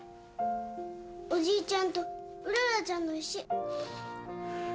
おじいちゃんとうららちゃんの石。